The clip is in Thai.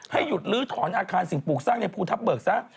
หยุดลื้อถอนอาคารสิ่งปลูกสร้างในภูทับเบิกซะ